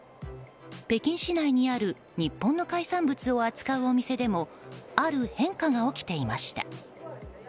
北京市内にある日本の海産物を扱うお店でもある変化が起きていました。